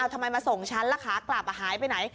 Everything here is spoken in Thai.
ทำไมมาส่งฉันแล้วขากลับหายไปไหน